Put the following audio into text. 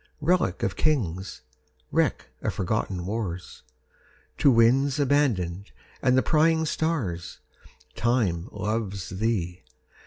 Relic of Kings! Wreck of forgotten wars, To winds abandoned and the prying stars, 10 Time 'loves' Thee!